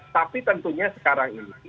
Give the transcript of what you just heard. tapi tentunya sekarang ini